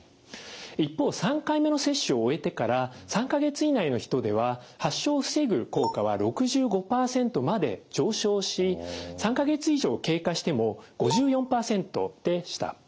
一方３回目の接種を終えてから３か月以内の人では発症を防ぐ効果は６５％まで上昇し３か月以上経過しても５４％でした。